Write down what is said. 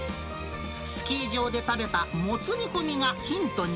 スキー場で食べたもつ煮込みがヒントに。